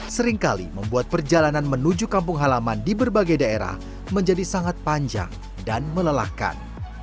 seringkali membuat perjalanan menuju kampung halaman di berbagai daerah menjadi sangat panjang dan melelahkan